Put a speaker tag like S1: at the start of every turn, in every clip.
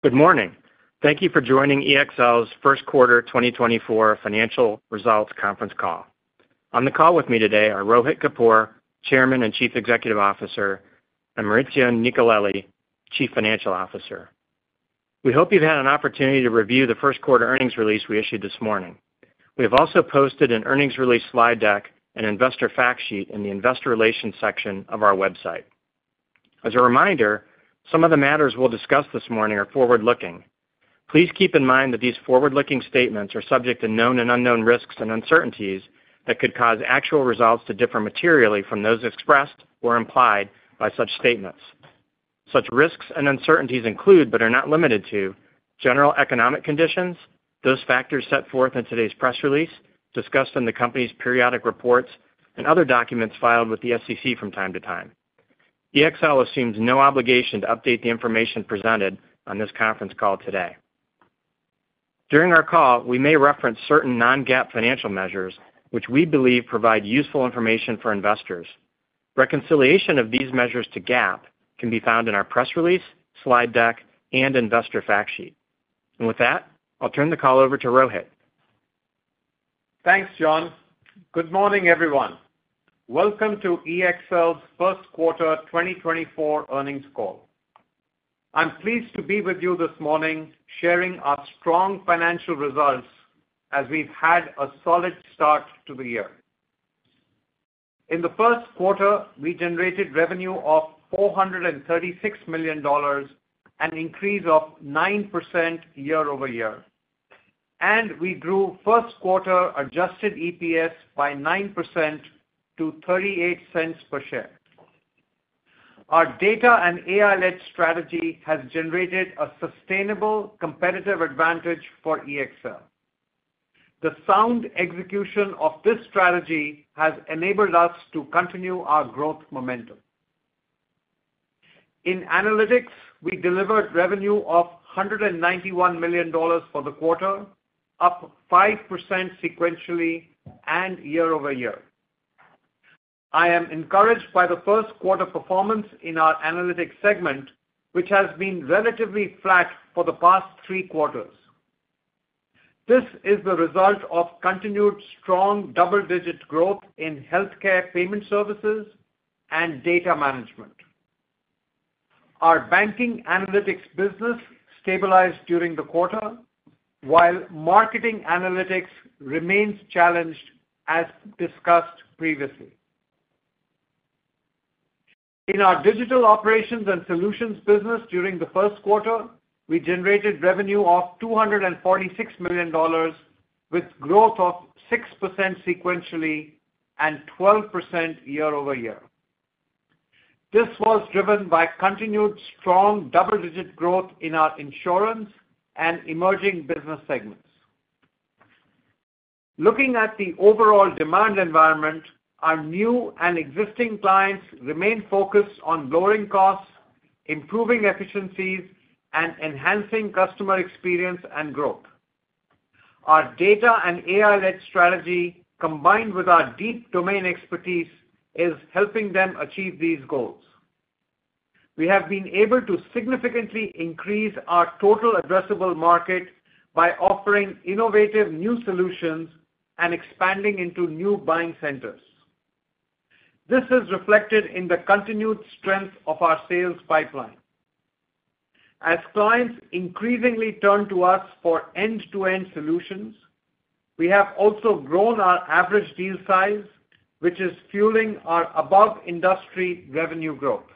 S1: Good morning. Thank you for joining EXL's Q1 2024 Financial Results Conference Call. On the call with me today are Rohit Kapoor, Chairman and Chief Executive Officer, and Maurizio Nicolelli, Chief Financial Officer. We hope you've had an opportunity to review the Q1 earnings release we issued this morning. We have also posted an earnings release slide deck and investor fact sheet in the investor relations section of our website. As a reminder, some of the matters we'll discuss this morning are forward-looking. Please keep in mind that these forward-looking statements are subject to known and unknown risks and uncertainties that could cause actual results to differ materially from those expressed or implied by such statements. Such risks and uncertainties include, but are not limited to, general economic conditions, those factors set forth in today's press release, discussed in the company's periodic reports, and other documents filed with the SEC from time to time. EXL assumes no obligation to update the information presented on this conference call today. During our call, we may reference certain non-GAAP financial measures, which we believe provide useful information for investors. Reconciliation of these measures to GAAP can be found in our press release, slide deck, and investor fact sheet. With that, I'll turn the call over to Rohit.
S2: Thanks, John. Good morning, everyone. Welcome to EXL's Q1 2024 Earnings Call. I'm pleased to be with you this morning, sharing our strong financial results as we've had a solid start to the year. In the Q1, we generated revenue of $436 million, an increase of 9% year-over-year, and we grew Q1 adjusted EPS by 9% to $0.38 per share. Our data and AI-led strategy has generated a sustainable competitive advantage for EXL. The sound execution of this strategy has enabled us to continue our growth momentum. In analytics, we delivered revenue of $191 million for the quarter, up 5% sequentially and year-over-year. I am encouraged by the Q1 performance in our analytics segment, which has been relatively flat for the past three quarters. This is the result of continued strong double-digit growth in healthcare payment services and data management. Our banking analytics business stabilized during the quarter, while marketing analytics remains challenged, as discussed previously. In our digital operations and solutions business during the Q1, we generated revenue of $246 million, with growth of 6% sequentially and 12% year-over-year. This was driven by continued strong double-digit growth in our insurance and emerging business segments. Looking at the overall demand environment, our new and existing clients remain focused on lowering costs, improving efficiencies, and enhancing customer experience and growth. Our data and AI-led strategy, combined with our deep domain expertise, is helping them achieve these goals. We have been able to significantly increase our total addressable market by offering innovative new solutions and expanding into new buying centers. This is reflected in the continued strength of our sales pipeline. As clients increasingly turn to us for end-to-end solutions, we have also grown our average deal size, which is fueling our above-industry revenue growth.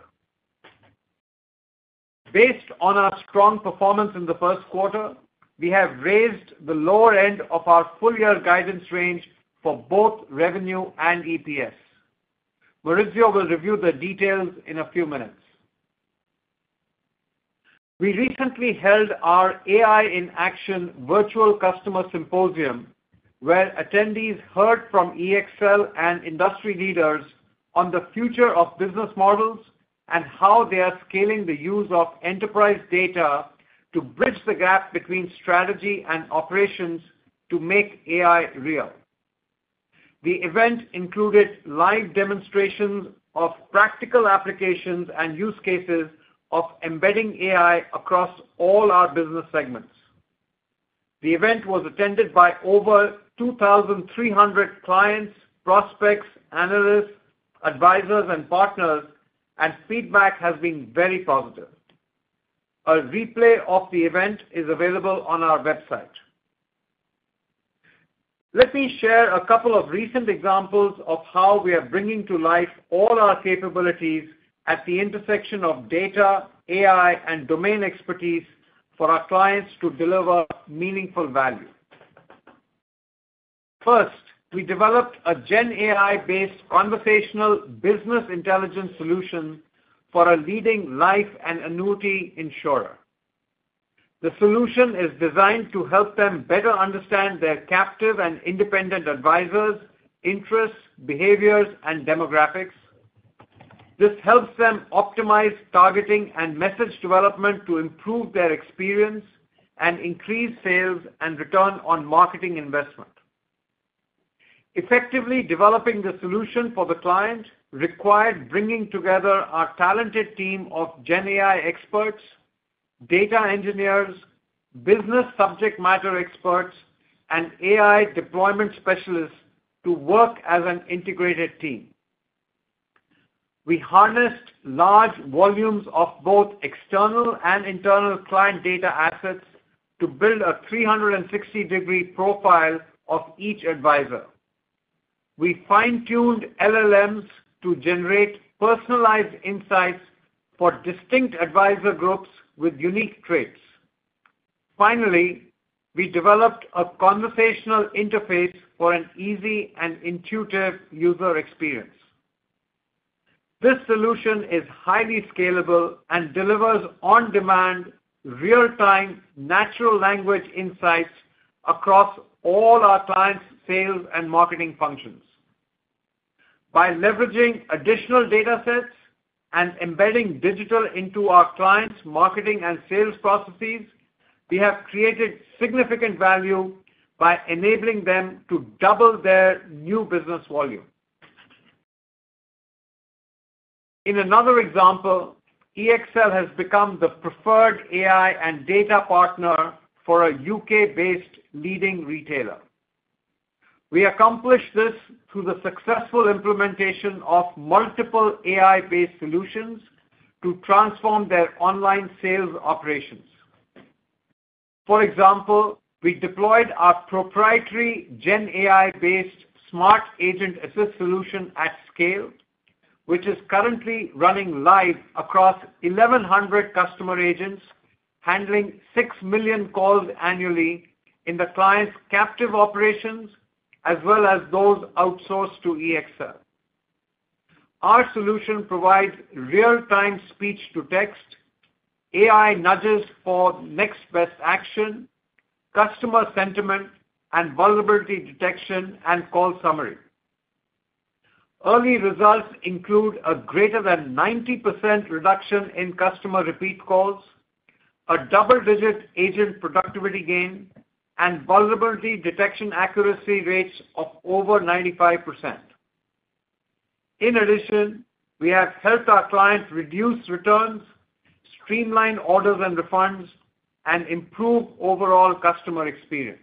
S2: Based on our strong performance in the Q1, we have raised the lower end of our full year guidance range for both revenue and EPS. Maurizio will review the details in a few minutes. We recently held our AI in Action virtual customer symposium, where attendees heard from EXL and industry leaders on the future of business models and how they are scaling the use of enterprise data to bridge the gap between strategy and operations to make AI real. The event included live demonstrations of practical applications and use cases of embedding AI across all our business segments. The event was attended by over 2,300 clients, prospects, analysts, advisors, and partners, and feedback has been very positive. A replay of the event is available on our website. Let me share a couple of recent examples of how we are bringing to life all our capabilities at the intersection of data, AI, and domain expertise for our clients to deliver meaningful value. First, we developed a GenAI-based conversational business intelligence solution for a leading life and annuity insurer. The solution is designed to help them better understand their captive and independent advisors, interests, behaviors, and demographics. This helps them optimize targeting and message development to improve their experience and increase sales and return on marketing investment.... Effectively developing the solution for the client required bringing together our talented team of GenAI experts, data engineers, business subject matter experts, and AI deployment specialists to work as an integrated team. We harnessed large volumes of both external and internal client data assets to build a 360-degree profile of each advisor. We fine-tuned LLMs to generate personalized insights for distinct advisor groups with unique traits. Finally, we developed a conversational interface for an easy and intuitive user experience. This solution is highly scalable and delivers on-demand, real-time, natural language insights across all our clients' sales and marketing functions. By leveraging additional data sets and embedding digital into our clients' marketing and sales processes, we have created significant value by enabling them to double their new business volume. In another example, EXL has become the preferred AI and data partner for a UK-based leading retailer. We accomplished this through the successful implementation of multiple AI-based solutions to transform their online sales operations. For example, we deployed our proprietary GenAI-based Smart Agent Assist solution at scale, which is currently running live across 1,100 customer agents, handling 6 million calls annually in the client's captive operations, as well as those outsourced to EXL. Our solution provides real-time speech-to-text, AI nudges for next best action, customer sentiment and vulnerability detection, and call summary. Early results include a greater than 90% reduction in customer repeat calls, a double-digit agent productivity gain, and vulnerability detection accuracy rates of over 95%. In addition, we have helped our clients reduce returns, streamline orders and refunds, and improve overall customer experience.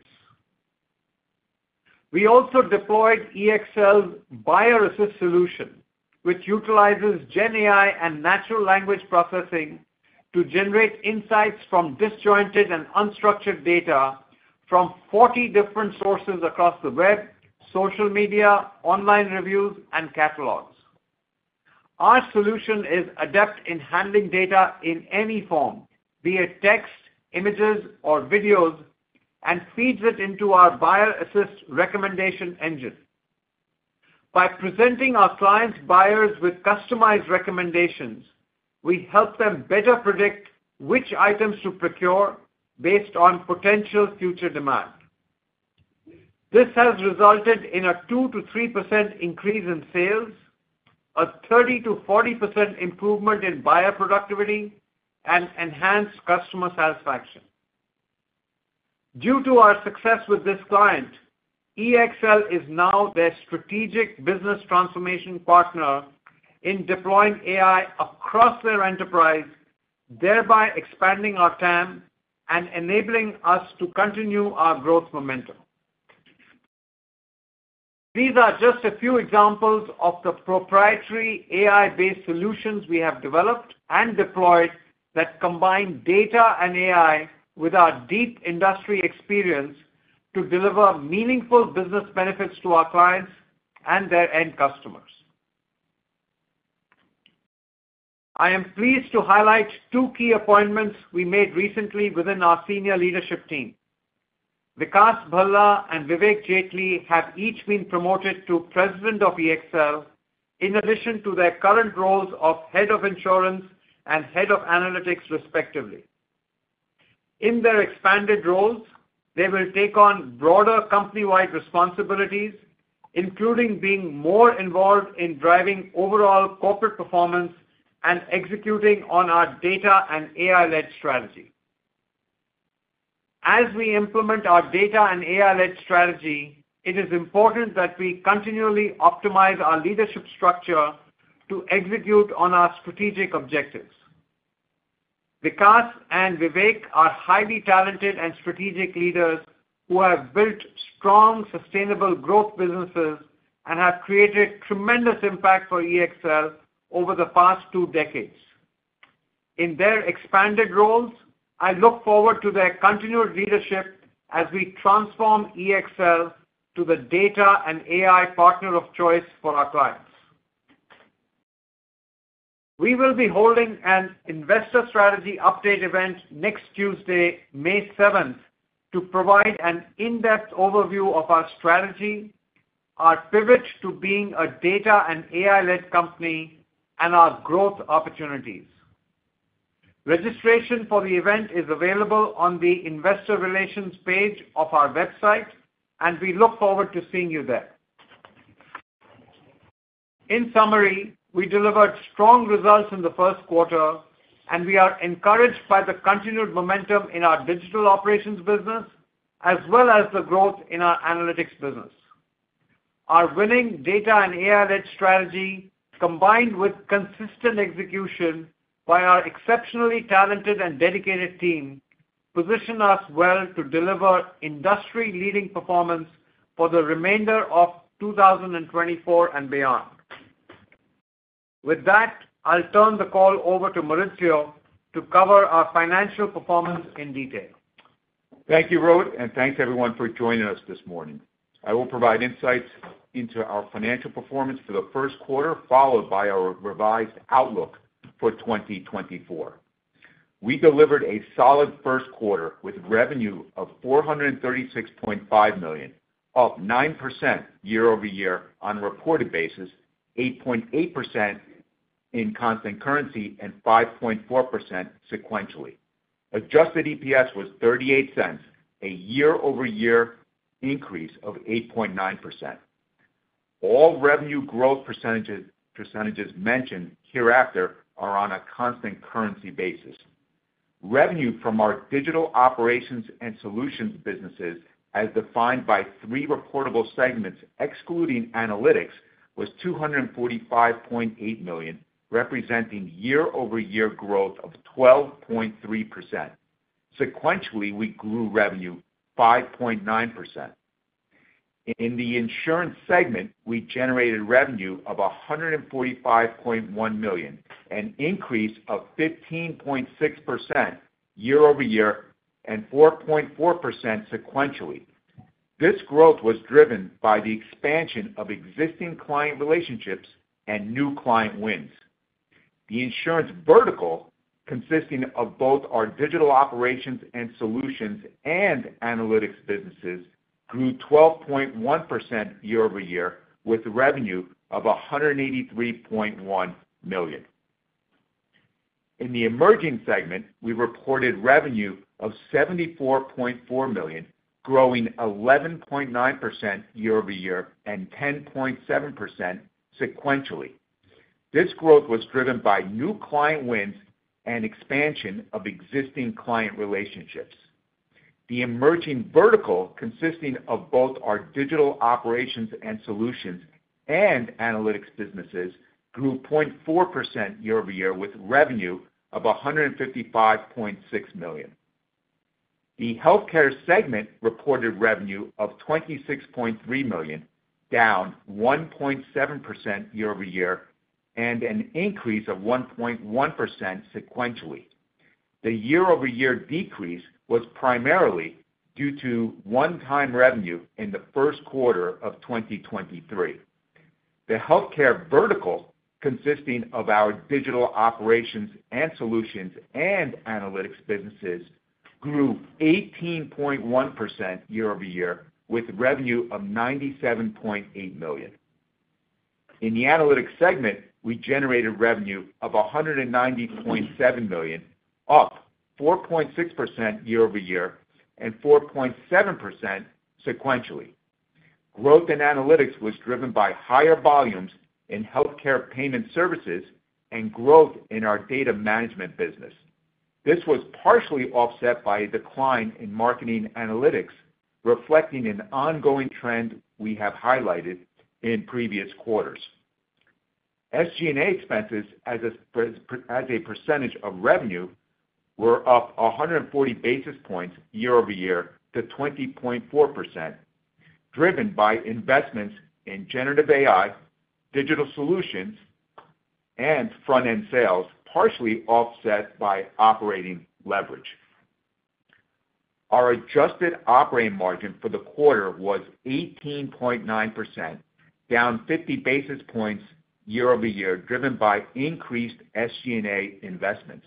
S2: We also deployed EXL's Buyer Assist solution, which utilizes GenAI and natural language processing to generate insights from disjointed and unstructured data from 40 different sources across the web, social media, online reviews, and catalogs. Our solution is adept in handling data in any form, be it text, images, or videos, and feeds it into our Buyer Assist recommendation engine. By presenting our clients' buyers with customized recommendations, we help them better predict which items to procure based on potential future demand. This has resulted in a 2%-3% increase in sales, a 30%-40% improvement in buyer productivity, and enhanced customer satisfaction. Due to our success with this client, EXL is now their strategic business transformation partner in deploying AI across their enterprise, thereby expanding our TAM and enabling us to continue our growth momentum. These are just a few examples of the proprietary AI-based solutions we have developed and deployed that combine data and AI with our deep industry experience to deliver meaningful business benefits to our clients and their end customers. I am pleased to highlight two key appointments we made recently within our senior leadership team. Vikas Bhalla and Vivek Jetley have each been promoted to President of EXL, in addition to their current roles of Head of Insurance and Head of Analytics, respectively. In their expanded roles, they will take on broader company-wide responsibilities, including being more involved in driving overall corporate performance and executing on our data and AI-led strategy. As we implement our data and AI-led strategy, it is important that we continually optimize our leadership structure to execute on our strategic objectives. Vikas and Vivek are highly talented and strategic leaders who have built strong, sustainable growth businesses and have created tremendous impact for EXL over the past two decades. In their expanded roles, I look forward to their continued leadership as we transform EXL to the data and AI partner of choice for our clients. We will be holding an investor strategy update event next Tuesday, May seventh, to provide an in-depth overview of our strategy, our pivot to being a data and AI-led company, and our growth opportunities. Registration for the event is available on the investor relations page of our website, and we look forward to seeing you there. In summary, we delivered strong results in the Q1, and we are encouraged by the continued momentum in our digital operations business, as well as the growth in our analytics business. Our winning data and AI-led strategy, combined with consistent execution by our exceptionally talented and dedicated team, position us well to deliver industry-leading performance for the remainder of 2024 and beyond. With that, I'll turn the call over to Maurizio to cover our financial performance in detail.
S3: Thank you, Rohit, and thanks everyone for joining us this morning. I will provide insights into our financial performance for the Q1, followed by our revised outlook for 2024. We delivered a solid Q1 with revenue of $436.5 million, up 9% year-over-year on a reported basis, 8.8% in constant currency, and 5.4% sequentially. Adjusted EPS was $0.38, a year-over-year increase of 8.9%. All revenue growth percentages, percentages mentioned hereafter are on a constant currency basis. Revenue from our digital operations and solutions businesses, as defined by three reportable segments, excluding analytics, was $245.8 million, representing year-over-year growth of 12.3%. Sequentially, we grew revenue 5.9%. In the insurance segment, we generated revenue of $145.1 million, an increase of 15.6% year-over-year and 4.4% sequentially. This growth was driven by the expansion of existing client relationships and new client wins. The insurance vertical, consisting of both our digital operations and solutions and analytics businesses, grew 12.1% year-over-year, with revenue of $183.1 million. In the emerging segment, we reported revenue of $74.4 million, growing 11.9% year-over-year and 10.7% sequentially. This growth was driven by new client wins and expansion of existing client relationships. The emerging vertical, consisting of both our digital operations and solutions and analytics businesses, grew 0.4% year-over-year, with revenue of $155.6 million. The healthcare segment reported revenue of $26.3 million, down 1.7% year-over-year, and an increase of 1.1% sequentially. The year-over-year decrease was primarily due to one-time revenue in the Q1 of 2023. The healthcare vertical, consisting of our digital operations and solutions and analytics businesses, grew 18.1% year-over-year, with revenue of $97.8 million. In the analytics segment, we generated revenue of $190.7 million, up 4.6% year-over-year and 4.7% sequentially. Growth in analytics was driven by higher volumes in healthcare payment services and growth in our data management business. This was partially offset by a decline in marketing analytics, reflecting an ongoing trend we have highlighted in previous quarters. SG&A expenses as a percentage of revenue were up 140 basis points year-over-year to 20.4%, driven by investments in generative AI, digital solutions, and front-end sales, partially offset by operating leverage. Our adjusted operating margin for the quarter was 18.9%, down 50 basis points year-over-year, driven by increased SG&A investments.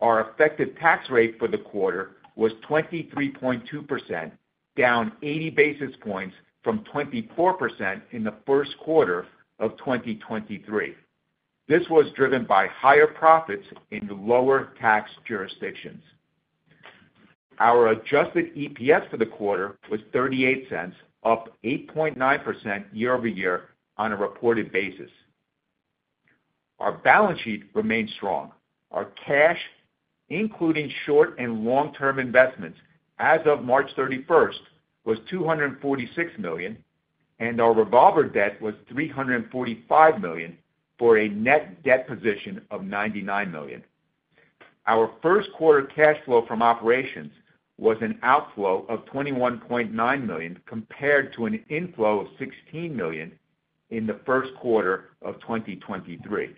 S3: Our effective tax rate for the quarter was 23.2%, down 80 basis points from 24% in the Q1 of 2023. This was driven by higher profits in the lower tax jurisdictions. Our adjusted EPS for the quarter was $0.38, up 8.9% year-over-year on a reported basis. Our balance sheet remains strong. Our cash, including short- and long-term investments, as of March 31, was $246 million, and our revolver debt was $345 million, for a net debt position of $99 million. Our Q1 cash flow from operations was an outflow of $21.9 million, compared to an inflow of $16 million in the Q1 of 2023.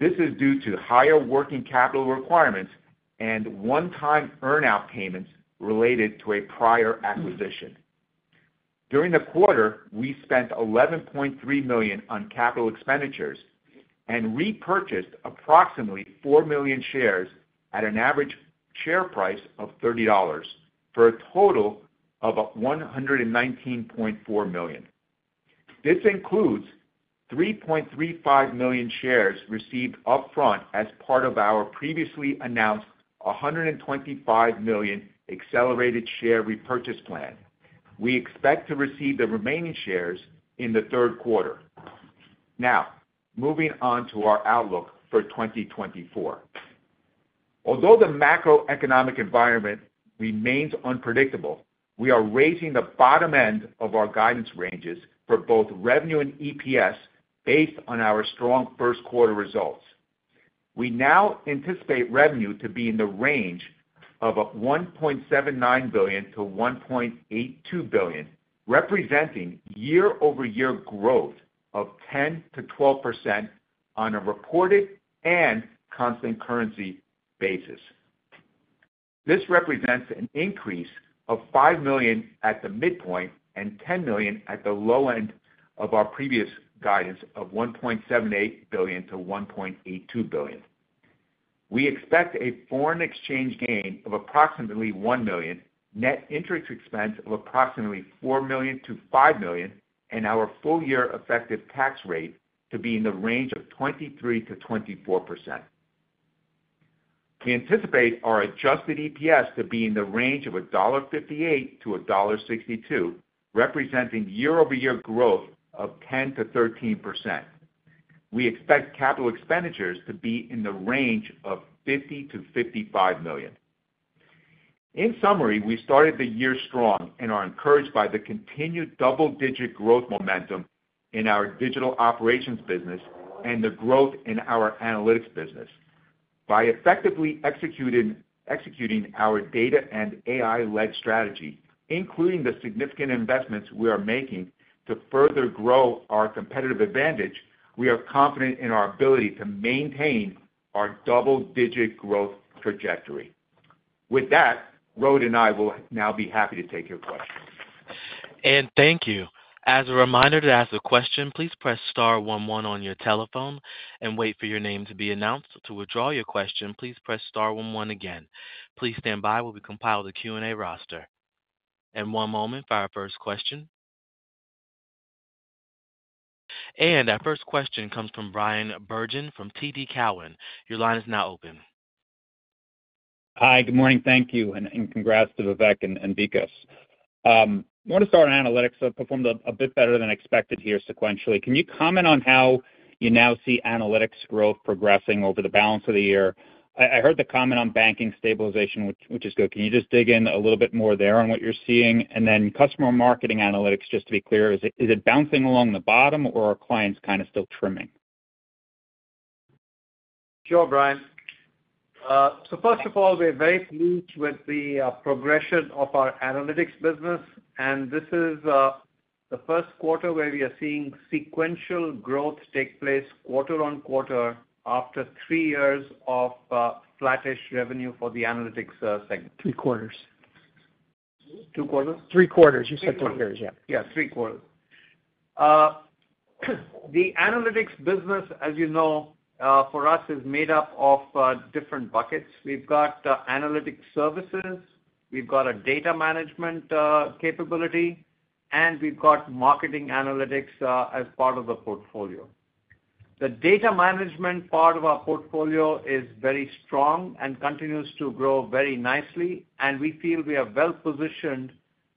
S3: This is due to higher working capital requirements and one-time earn-out payments related to a prior acquisition. During the quarter, we spent $11.3 million on capital expenditures and repurchased approximately 4 million shares at an average share price of $30, for a total of $119.4 million. This includes 3.35 million shares received upfront as part of our previously announced $125 million accelerated share repurchase plan. We expect to receive the remaining shares in the Q3. Now, moving on to our outlook for 2024.... Although the macroeconomic environment remains unpredictable, we are raising the bottom end of our guidance ranges for both revenue and EPS based on our strong Q1 results. We now anticipate revenue to be in the range of $1.79 billion-$1.82 billion, representing year-over-year growth of 10%-12% on a reported and constant currency basis. This represents an increase of $5 million at the midpoint and $10 million at the low end of our previous guidance of $1.78 billion-$1.82 billion. We expect a foreign exchange gain of approximately $1 million, net interest expense of approximately $4 million-$5 million, and our full year effective tax rate to be in the range of 23%-24%. We anticipate our adjusted EPS to be in the range of $1.58-$1.62, representing year-over-year growth of 10%-13%. We expect capital expenditures to be in the range of $50 million-$55 million. In summary, we started the year strong and are encouraged by the continued double-digit growth momentum in our digital operations business and the growth in our analytics business. By effectively executing our data and AI-led strategy, including the significant investments we are making to further grow our competitive advantage, we are confident in our ability to maintain our double-digit growth trajectory. With that, Rohit and I will now be happy to take your questions.
S4: Thank you. As a reminder to ask a question, please press star one one on your telephone and wait for your name to be announced. To withdraw your question, please press star one one again. Please stand by while we compile the Q&A roster. One moment for our first question. Our first question comes from Bryan Bergin from TD Cowen. Your line is now open.
S5: Hi, good morning. Thank you, and congrats to Vivek and Vikas. I want to start on analytics that performed a bit better than expected here sequentially. Can you comment on how you now see analytics growth progressing over the balance of the year? I heard the comment on banking stabilization, which is good. Can you just dig in a little bit more there on what you're seeing? And then customer marketing analytics, just to be clear, is it bouncing along the bottom, or are clients kind of still trimming?
S2: Sure, Brian. So first of all, we're very pleased with the progression of our analytics business, and this is the Q1 where we are seeing sequential growth take place quarter on quarter after three years of flattish revenue for the analytics segment.
S3: Three quarters.
S2: Two quarters?
S3: 3 quarters. You said 3 quarters, yeah.
S2: Yeah, three quarters. The analytics business, as you know, for us, is made up of different buckets. We've got analytics services, we've got a data management capability, and we've got marketing analytics as part of the portfolio. The data management part of our portfolio is very strong and continues to grow very nicely, and we feel we are well positioned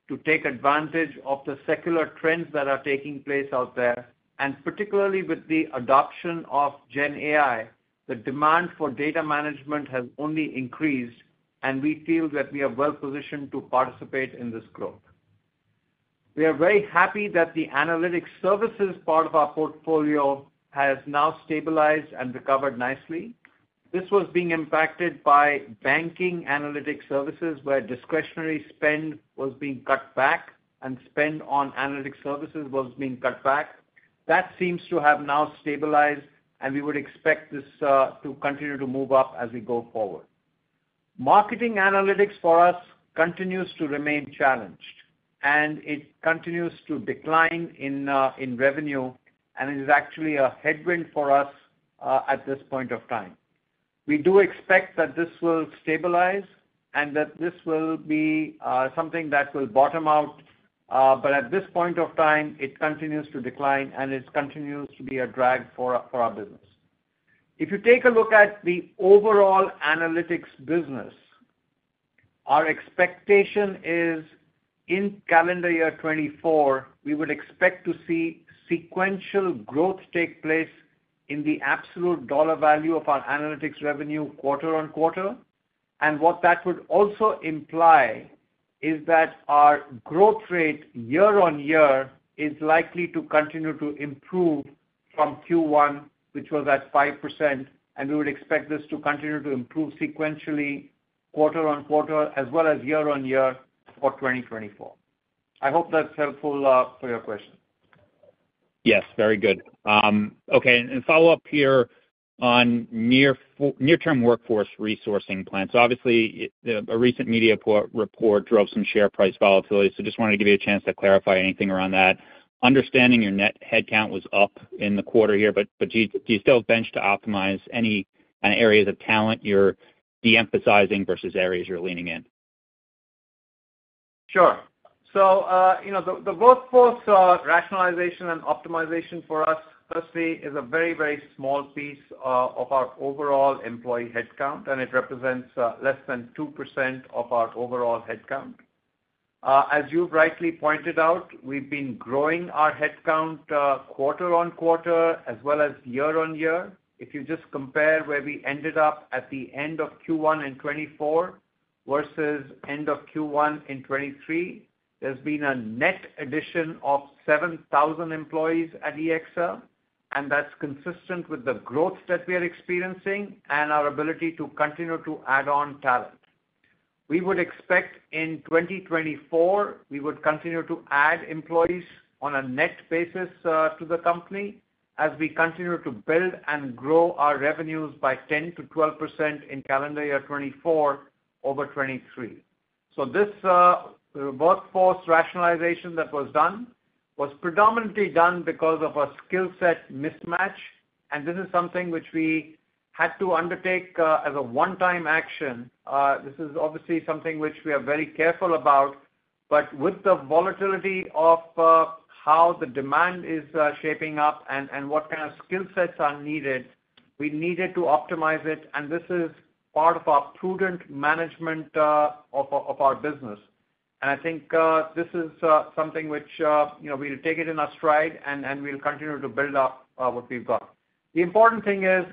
S2: to take advantage of the secular trends that are taking place out there, and particularly with the adoption of GenAI, the demand for data management has only increased, and we feel that we are well positioned to participate in this growth. We are very happy that the analytics services part of our portfolio has now stabilized and recovered nicely. This was being impacted by banking analytics services, where discretionary spend was being cut back and spend on analytics services was being cut back. That seems to have now stabilized, and we would expect this to continue to move up as we go forward. Marketing analytics for us continues to remain challenged, and it continues to decline in revenue, and it is actually a headwind for us at this point of time. We do expect that this will stabilize and that this will be something that will bottom out, but at this point of time, it continues to decline, and it continues to be a drag for our business. If you take a look at the overall analytics business, our expectation is in calendar year 2024, we would expect to see sequential growth take place in the absolute dollar value of our analytics revenue quarter on quarter. What that would also imply is that our growth rate year-on-year is likely to continue to improve from Q1, which was at 5%, and we would expect this to continue to improve sequentially, quarter-on-quarter, as well as year-on-year for 2024. I hope that's helpful for your question.
S5: Yes, very good. Okay, and follow up here on near-term workforce resourcing plans. Obviously, a recent media report drove some share price volatility, so just wanted to give you a chance to clarify anything around that. Understanding your net headcount was up in the quarter here, but do you still have bench to optimize any areas of talent you're de-emphasizing versus areas you're leaning in?
S2: Sure. So, you know, the workforce rationalization and optimization for us, firstly, is a very, very small piece of our overall employee headcount, and it represents less than 2% of our overall headcount. As you've rightly pointed out, we've been growing our headcount quarter-over-quarter as well as year-over-year. If you just compare where we ended up at the end of Q1 in 2024 versus end of Q1 in 2023, there's been a net addition of 7,000 employees at EXL, and that's consistent with the growth that we are experiencing and our ability to continue to add on talent. We would expect in 2024 we would continue to add employees on a net basis to the company as we continue to build and grow our revenues by 10%-12% in calendar year 2024 over 2023. So this, workforce rationalization that was done, was predominantly done because of a skill set mismatch, and this is something which we had to undertake, as a one-time action. This is obviously something which we are very careful about, but with the volatility of, how the demand is, shaping up and what kind of skill sets are needed, we needed to optimize it, and this is part of our prudent management, of our business. And I think, this is, something which, you know, we'll take it in our stride, and we'll continue to build up, what we've got. The important thing is,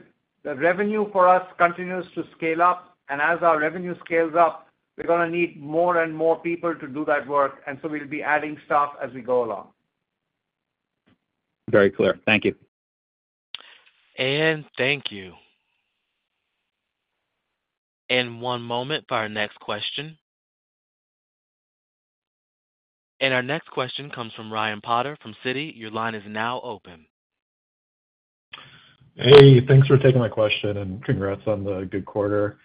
S2: the revenue for us continues to scale up, and as our revenue scales up, we're gonna need more and more people to do that work, and so we'll be adding staff as we go along.
S5: Very clear. Thank you.
S4: Thank you. One moment for our next question. Our next question comes from Ryan Potter from Citi. Your line is now open.
S6: Hey, thanks for taking my question, and congrats on the good quarter.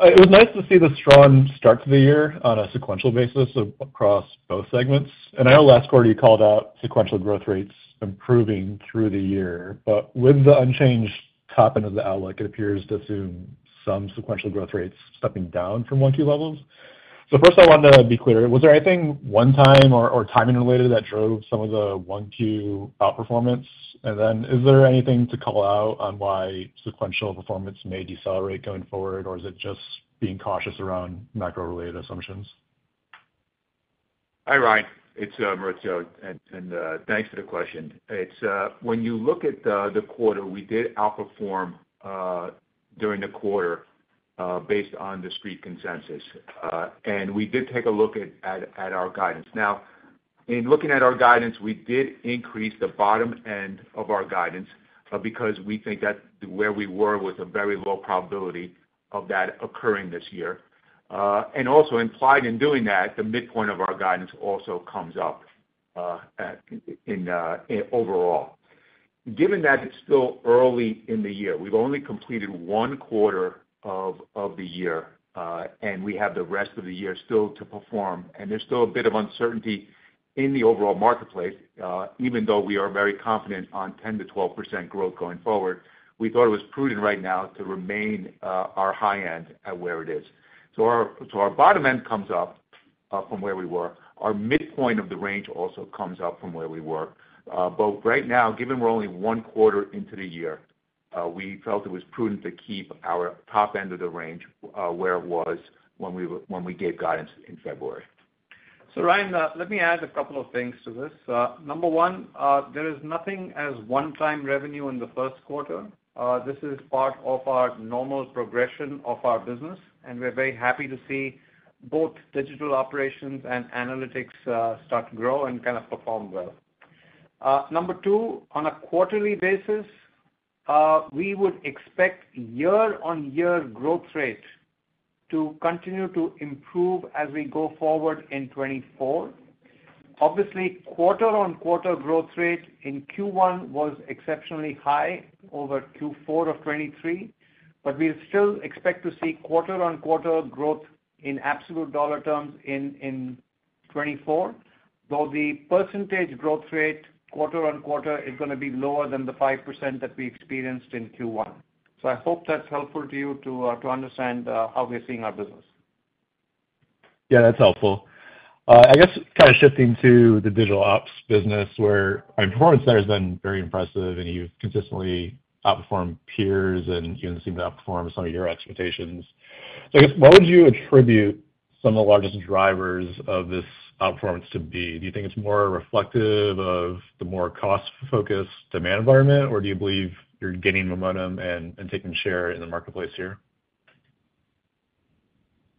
S6: It was nice to see the strong start to the year on a sequential basis across both segments. And I know last quarter you called out sequential growth rates improving through the year, but with the unchanged top end of the outlook, it appears to assume some sequential growth rates stepping down from Q1 levels. So first, I wanted to be clear, was there anything one-time or, or timing-related that drove some of the Q1 outperformance? And then is there anything to call out on why sequential performance may decelerate going forward, or is it just being cautious around macro-related assumptions?
S3: Hi, Ryan. It's Maurizio, and thanks for the question. It's when you look at the quarter, we did outperform during the quarter based on the street consensus, and we did take a look at our guidance. Now, in looking at our guidance, we did increase the bottom end of our guidance because we think that where we were was a very low probability of that occurring this year. And also implied in doing that, the midpoint of our guidance also comes up in overall. Given that it's still early in the year, we've only completed one quarter of the year, and we have the rest of the year still to perform, and there's still a bit of uncertainty in the overall marketplace, even though we are very confident on 10%-12% growth going forward, we thought it was prudent right now to remain our high end at where it is. So our bottom end comes up from where we were. Our midpoint of the range also comes up from where we were. But right now, given we're only one quarter into the year, we felt it was prudent to keep our top end of the range where it was when we gave guidance in February.
S2: So Ryan, let me add a couple of things to this. Number one, there is nothing as one-time revenue in the Q1. This is part of our normal progression of our business, and we're very happy to see both digital operations and analytics start to grow and kind of perform well. Number two, on a quarterly basis, we would expect year-on-year growth rate to continue to improve as we go forward in 2024. Obviously, quarter-on-quarter growth rate in Q1 was exceptionally high over Q4 of 2023, but we still expect to see quarter-on-quarter growth in absolute dollar terms in 2024, though the percentage growth rate quarter-on-quarter is gonna be lower than the 5% that we experienced in Q1. So I hope that's helpful to you to understand how we're seeing our business.
S6: Yeah, that's helpful. I guess kind of shifting to the digital ops business, where our performance there has been very impressive, and you've consistently outperformed peers and even seemed to outperform some of your expectations. So I guess, what would you attribute some of the largest drivers of this outperformance to be? Do you think it's more reflective of the more cost-focused demand environment, or do you believe you're gaining momentum and taking share in the marketplace here?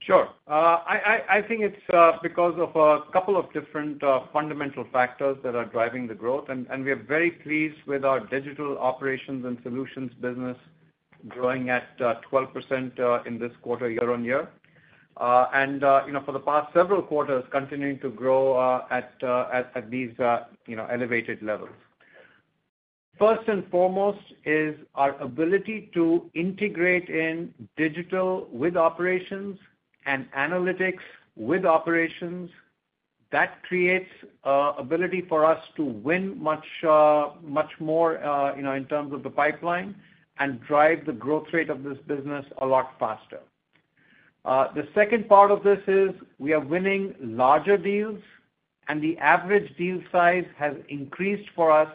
S2: Sure. I think it's because of a couple of different fundamental factors that are driving the growth, and we are very pleased with our digital operations and solutions business growing at 12% in this quarter, year-over-year. And you know, for the past several quarters, continuing to grow at these you know elevated levels. First and foremost is our ability to integrate in digital with operations and analytics with operations. That creates ability for us to win much more you know in terms of the pipeline and drive the growth rate of this business a lot faster. The second part of this is we are winning larger deals-... And the average deal size has increased for us,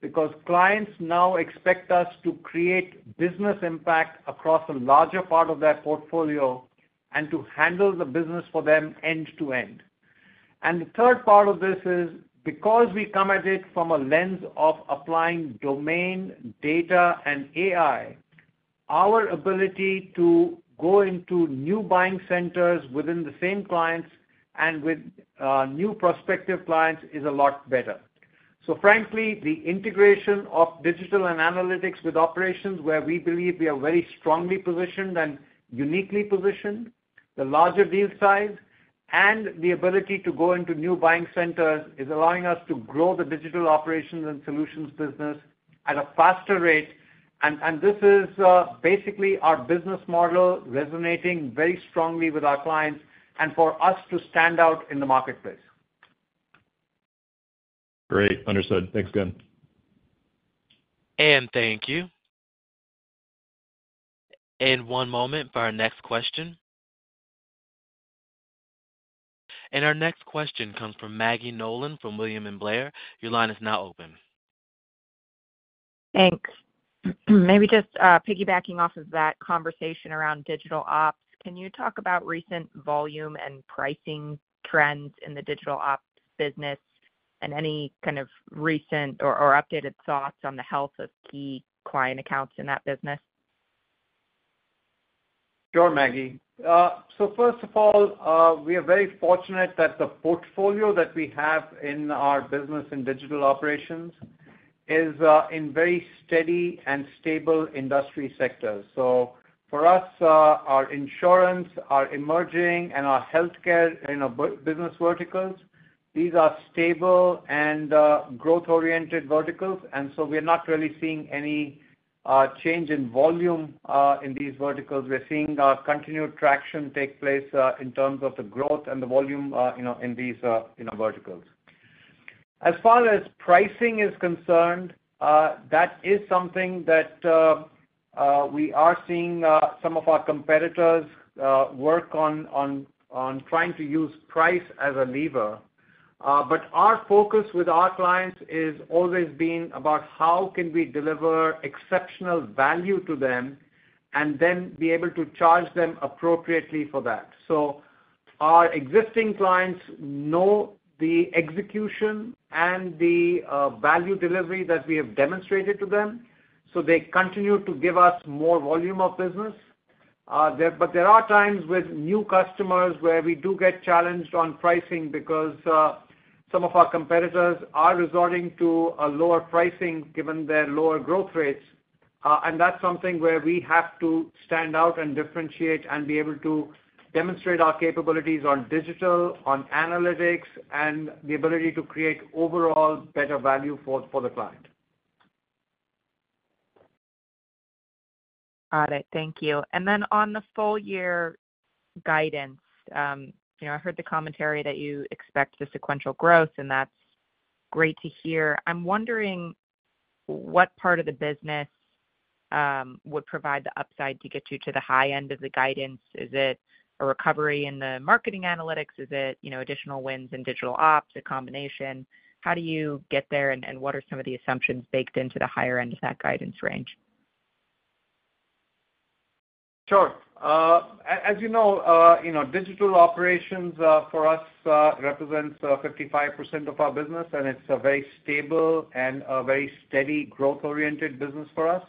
S2: because clients now expect us to create business impact across a larger part of their portfolio and to handle the business for them end-to-end. And the third part of this is, because we come at it from a lens of applying domain, data, and AI, our ability to go into new buying centers within the same clients and with new prospective clients is a lot better. So frankly, the integration of digital and analytics with operations, where we believe we are very strongly positioned and uniquely positioned, the larger deal size, and the ability to go into new buying centers, is allowing us to grow the digital operations and solutions business at a faster rate. And this is basically our business model resonating very strongly with our clients and for us to stand out in the marketplace.
S6: Great. Understood. Thanks again.
S4: Thank you. One moment for our next question. Our next question comes from Maggie Nolan, from William Blair. Your line is now open.
S7: Thanks. Maybe just, piggybacking off of that conversation around digital ops, can you talk about recent volume and pricing trends in the digital ops business? And any kind of recent or updated thoughts on the health of key client accounts in that business?
S2: Sure, Maggie. So first of all, we are very fortunate that the portfolio that we have in our business in digital operations is in very steady and stable industry sectors. So for us, our insurance, our emerging, and our healthcare, you know, business verticals, these are stable and growth-oriented verticals, and so we're not really seeing any change in volume in these verticals. We're seeing continued traction take place in terms of the growth and the volume, you know, in these verticals. As far as pricing is concerned, that is something that we are seeing some of our competitors work on trying to use price as a lever. But our focus with our clients is always been about how can we deliver exceptional value to them, and then be able to charge them appropriately for that. So our existing clients know the execution and the value delivery that we have demonstrated to them, so they continue to give us more volume of business. But there are times with new customers where we do get challenged on pricing because some of our competitors are resorting to a lower pricing, given their lower growth rates. And that's something where we have to stand out and differentiate and be able to demonstrate our capabilities on digital, on analytics, and the ability to create overall better value for the client.
S7: Got it. Thank you. And then on the full year guidance, you know, I heard the commentary that you expect the sequential growth, and that's great to hear. I'm wondering what part of the business would provide the upside to get you to the high end of the guidance? Is it a recovery in the marketing analytics? Is it, you know, additional wins in digital ops, a combination? How do you get there, and what are some of the assumptions baked into the higher end of that guidance range?
S2: Sure. As you know, you know, digital operations for us represents 55% of our business, and it's a very stable and a very steady growth-oriented business for us.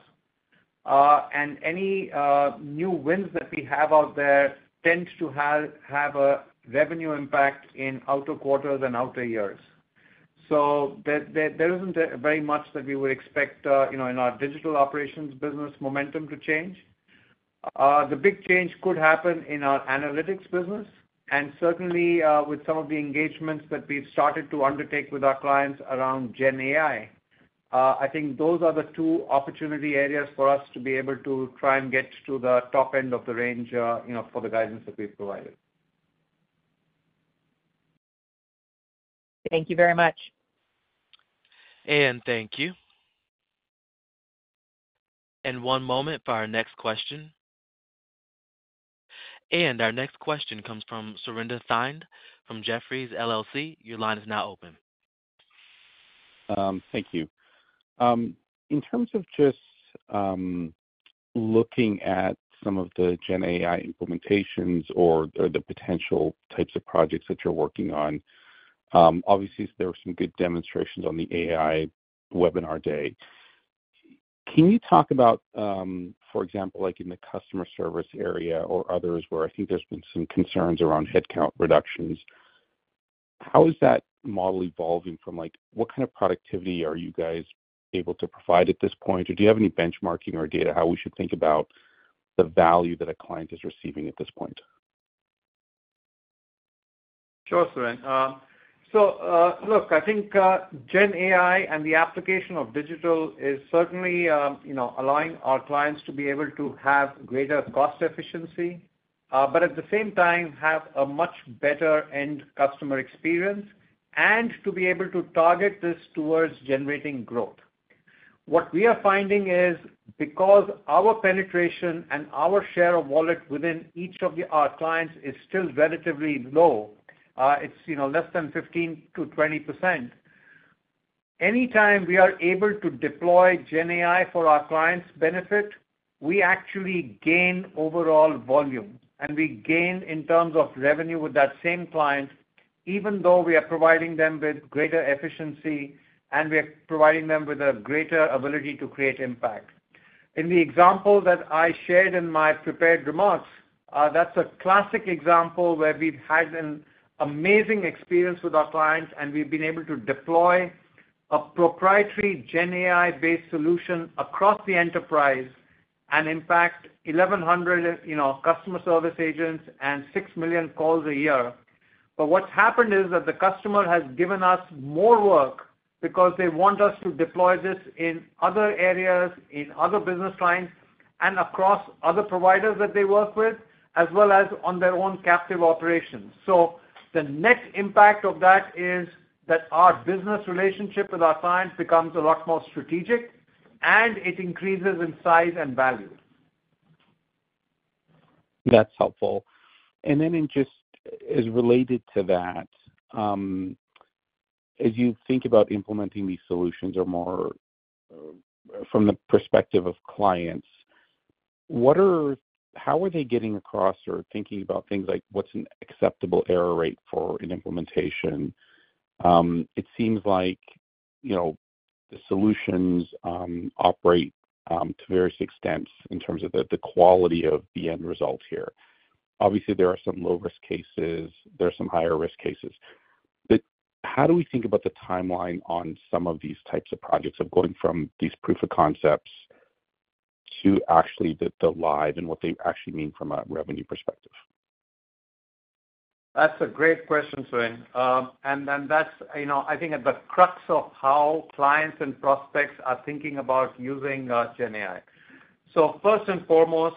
S2: And any new wins that we have out there tend to have a revenue impact in outer quarters and outer years. So there isn't very much that we would expect, you know, in our digital operations business momentum to change. The big change could happen in our analytics business and certainly with some of the engagements that we've started to undertake with our clients around GenAI. I think those are the two opportunity areas for us to be able to try and get to the top end of the range, you know, for the guidance that we've provided.
S7: Thank you very much.
S4: Thank you. One moment for our next question. Our next question comes from Surinder Thind from Jefferies LLC. Your line is now open.
S8: Thank you. In terms of just, looking at some of the GenAI implementations or, or the potential types of projects that you're working on, obviously there were some good demonstrations on the AI webinar day. Can you talk about, for example, like in the customer service area or others where I think there's been some concerns around headcount reductions, how is that model evolving from like... What kind of productivity are you guys able to provide at this point? Or do you have any benchmarking or data, how we should think about the value that a client is receiving at this point?
S2: Sure, Surinder. So, look, I think, GenAI and the application of digital is certainly, you know, allowing our clients to be able to have greater cost efficiency, but at the same time, have a much better end customer experience, and to be able to target this towards generating growth. What we are finding is because our penetration and our share of wallet within each of the, our clients is still relatively low, it's, you know, less than 15%-20%. Anytime we are able to deploy GenAI for our clients' benefit, we actually gain overall volume, and we gain in terms of revenue with that same client, even though we are providing them with greater efficiency, and we are providing them with a greater ability to create impact. In the example that I shared in my prepared remarks, that's a classic example where we've had an amazing experience with our clients, and we've been able to deploy a proprietary GenAI-based solution across the enterprise, and impact 1,100, you know, customer service agents and 6 million calls a year. But what's happened is that the customer has given us more work because they want us to deploy this in other areas, in other business lines, and across other providers that they work with, as well as on their own captive operations. So the net impact of that is that our business relationship with our clients becomes a lot more strategic, and it increases in size and value.
S8: That's helpful. And then in just, as related to that, as you think about implementing these solutions or more, from the perspective of clients, what are-- how are they getting across or thinking about things like what's an acceptable error rate for an implementation? It seems like, you know, the solutions operate to various extents in terms of the, the quality of the end result here. Obviously, there are some low-risk cases, there are some higher-risk cases. But how do we think about the timeline on some of these types of projects, of going from these proof of concepts to actually the, the live and what they actually mean from a revenue perspective?
S2: That's a great question, Surinder. And then that's, you know, I think at the crux of how clients and prospects are thinking about using GenAI. So first and foremost,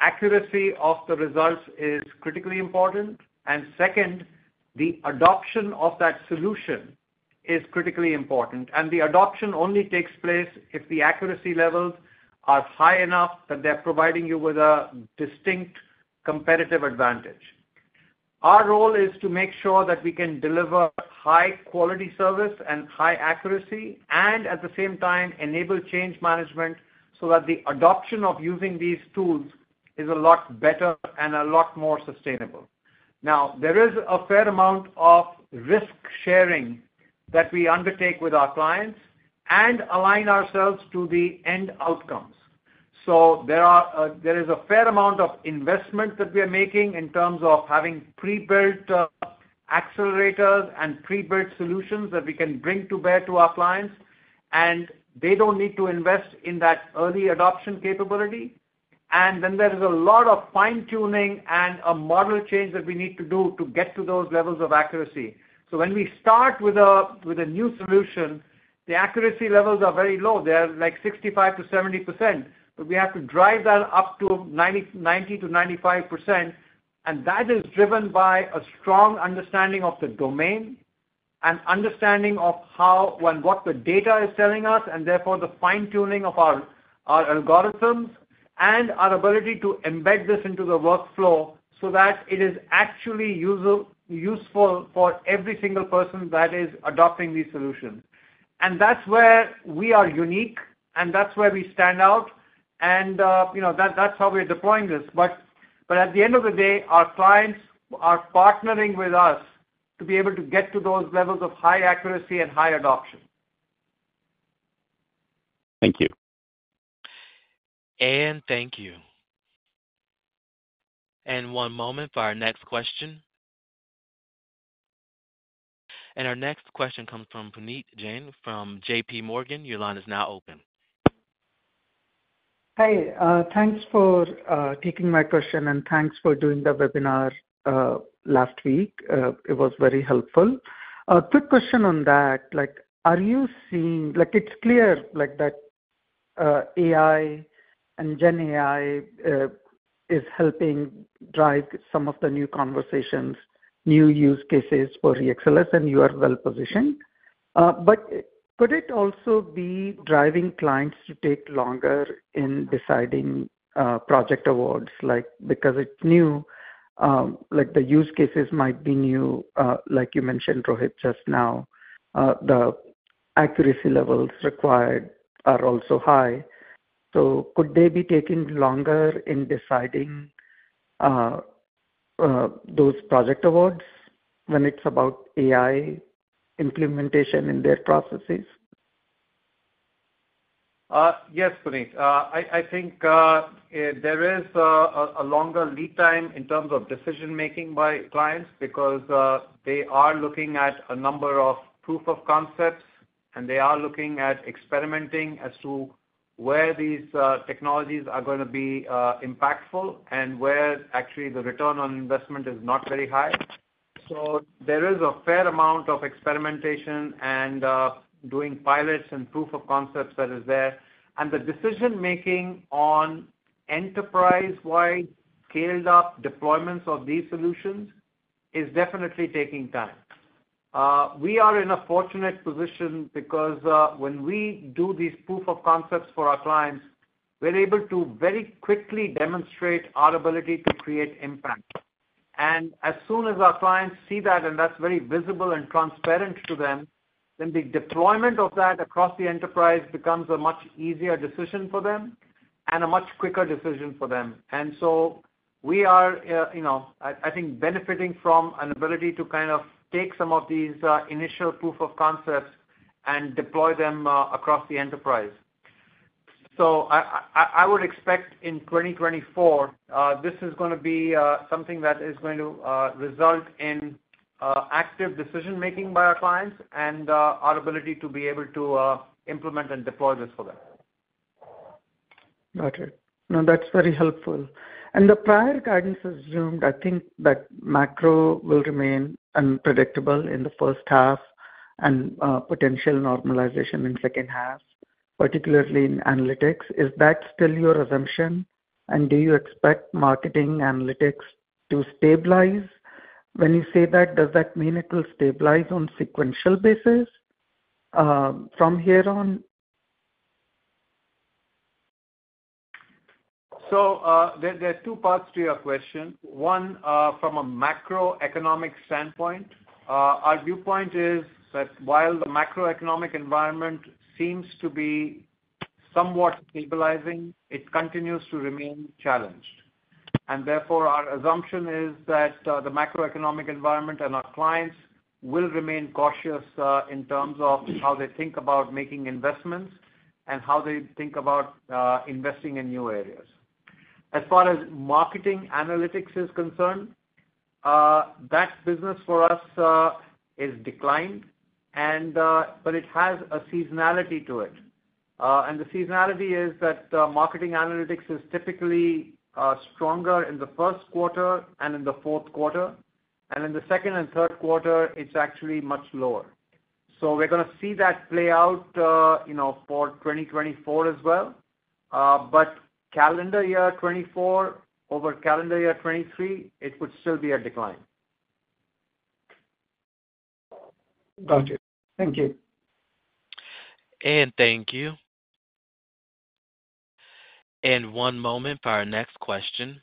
S2: accuracy of the results is critically important, and second, the adoption of that solution is critically important. And the adoption only takes place if the accuracy levels are high enough that they're providing you with a distinct competitive advantage. Our role is to make sure that we can deliver high-quality service and high accuracy, and at the same time, enable change management so that the adoption of using these tools is a lot better and a lot more sustainable. Now, there is a fair amount of risk sharing that we undertake with our clients and align ourselves to the end outcomes. So there are, there is a fair amount of investment that we are making in terms of having prebuilt, accelerators and prebuilt solutions that we can bring to bear to our clients, and they don't need to invest in that early adoption capability. And then there is a lot of fine-tuning and a model change that we need to do to get to those levels of accuracy. So when we start with a new solution, the accuracy levels are very low. They are like 65%-70%, but we have to drive that up to 90%-95%, and that is driven by a strong understanding of the domain and understanding of how and what the data is telling us, and therefore the fine-tuning of our algorithms and our ability to embed this into the workflow so that it is actually useful for every single person that is adopting these solutions. And that's where we are unique, and that's where we stand out, and you know, that's how we're deploying this. But at the end of the day, our clients are partnering with us to be able to get to those levels of high accuracy and high adoption.
S8: Thank you.
S4: Thank you. One moment for our next question. Our next question comes from Puneet Jain from JPMorgan. Your line is now open.
S9: Hi, thanks for taking my question, and thanks for doing the webinar last week. It was very helpful. Quick question on that, like, are you seeing... Like, it's clear, like, that AI and GenAI is helping drive some of the new conversations, new use cases for EXL, and you are well positioned. But could it also be driving clients to take longer in deciding project awards? Like, because it's new, like, the use cases might be new, like you mentioned, Rohit, just now. The accuracy levels required are also high, so could they be taking longer in deciding those project awards when it's about AI implementation in their processes?
S2: Yes, Puneet. I think there is a longer lead time in terms of decision-making by clients because they are looking at a number of proof of concepts, and they are looking at experimenting as to where these technologies are gonna be impactful and where actually the return on investment is not very high. So there is a fair amount of experimentation and doing pilots and proof of concepts that is there. And the decision-making on enterprise-wide, scaled-up deployments of these solutions is definitely taking time. We are in a fortunate position because when we do these proof of concepts for our clients, we're able to very quickly demonstrate our ability to create impact. As soon as our clients see that, and that's very visible and transparent to them, then the deployment of that across the enterprise becomes a much easier decision for them and a much quicker decision for them. So we are, you know, I think, benefiting from an ability to kind of take some of these initial proof of concepts and deploy them across the enterprise. So I would expect in 2024, this is gonna be something that is going to result in active decision-making by our clients and our ability to be able to implement and deploy this for them.
S9: Got it. No, that's very helpful. And the prior guidance assumed, I think, that macro will remain unpredictable in the H1 and potential normalization in H2, particularly in analytics. Is that still your assumption? And do you expect marketing analytics to stabilize? When you say that, does that mean it will stabilize on sequential basis from here on?
S2: So, there are two parts to your question. One, from a macroeconomic standpoint, our viewpoint is that while the macroeconomic environment seems to be somewhat stabilizing, it continues to remain challenged. And therefore, our assumption is that, the macroeconomic environment and our clients will remain cautious, in terms of how they think about making investments and how they think about, investing in new areas. As far as marketing analytics is concerned, that business for us, is declined and, but it has a seasonality to it. And the seasonality is that, marketing analytics is typically, stronger in the Q1 and in the Q4, and in the second and Q3, it's actually much lower. So we're gonna see that play out, you know, for 2024 as well. But calendar year 2024 over calendar year 2023, it would still be a decline.
S9: Got you. Thank you.
S4: Thank you. One moment for our next question.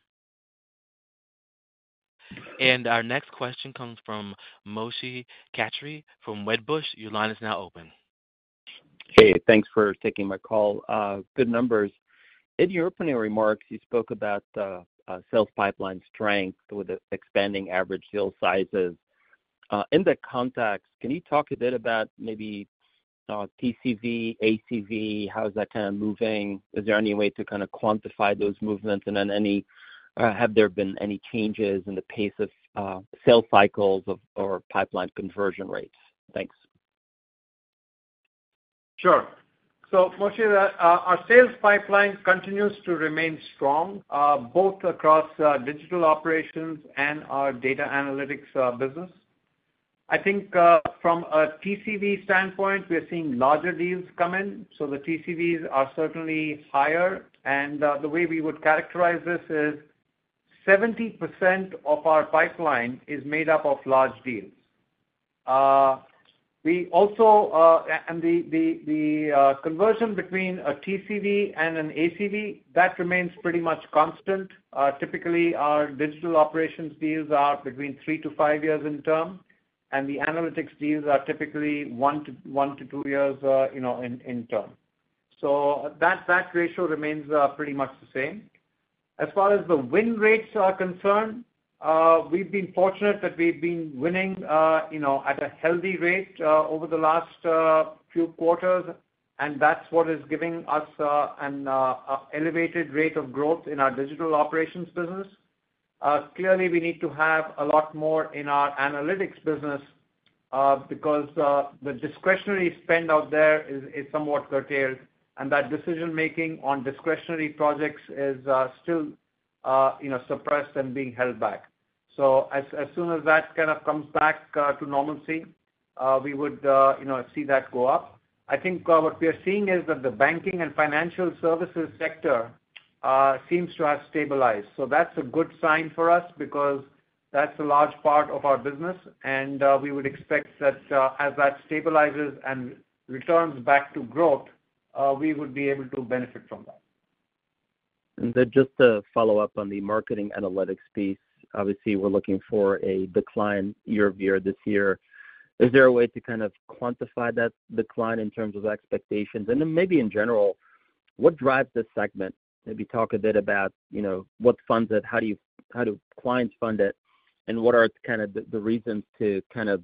S4: Our next question comes from Moshe Katri from Wedbush. Your line is now open.
S10: Hey, thanks for taking my call. Good numbers. In your opening remarks, you spoke about sales pipeline strength with the expanding average deal sizes. In that context, can you talk a bit about maybe TCV, ACV, how is that kind of moving? Is there any way to kind of quantify those movements? And then have there been any changes in the pace of sales cycles or pipeline conversion rates? Thanks.
S2: Sure. So Maurizio, our sales pipeline continues to remain strong, both across our digital operations and our data analytics business. I think, from a TCV standpoint, we are seeing larger deals come in, so the TCVs are certainly higher. The way we would characterize this is, 70% of our pipeline is made up of large deals. We also, the conversion between a TCV and an ACV, that remains pretty much constant. Typically, our digital operations deals are between 3-5 years in term, and the analytics deals are typically 1-2 years, you know, in term. So that ratio remains, pretty much the same. As far as the win rates are concerned, we've been fortunate that we've been winning, you know, at a healthy rate over the last few quarters, and that's what is giving us an elevated rate of growth in our digital operations business. Clearly, we need to have a lot more in our analytics business because the discretionary spend out there is somewhat curtailed, and that decision-making on discretionary projects is still, you know, suppressed and being held back. So as soon as that kind of comes back to normalcy, we would, you know, see that go up. I think what we are seeing is that the banking and financial services sector seems to have stabilized. So that's a good sign for us because that's a large part of our business, and we would expect that, as that stabilizes and returns back to growth, we would be able to benefit from that.
S10: And then just to follow up on the marketing analytics piece, obviously, we're looking for a decline year-over-year this year. Is there a way to kind of quantify that decline in terms of expectations? And then maybe in general, what drives this segment? Maybe talk a bit about, you know, what funds it, how do you, how do clients fund it, and what are kind of the, the reasons to kind of,